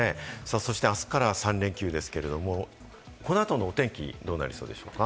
そして、あすから３連休ですけれども、このあとのお天気どうなりそうでしょうか？